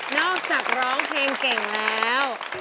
อกจากร้องเพลงเก่งแล้ว